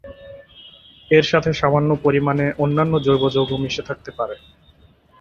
এর সাথে সামান্য পরিমাণে অন্যান্য জৈব যৌগ মিশে থাকতে পারে।